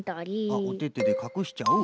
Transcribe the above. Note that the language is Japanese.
あっおててでかくしちゃう。